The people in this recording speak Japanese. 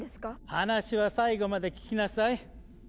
話は最後まで聞きなさい。